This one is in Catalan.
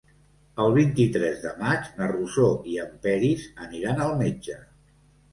El vint-i-tres de maig na Rosó i en Peris aniran al metge.